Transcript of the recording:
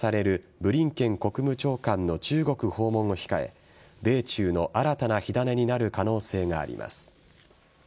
ブリンケン国務長官の中国訪問を控え米中の新たな火種になる可能性があります。